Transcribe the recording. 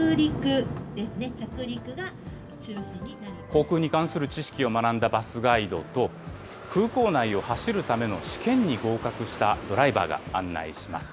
航空に関する知識を学んだバスガイドと、空港内を走るための試験に合格したドライバーが案内します。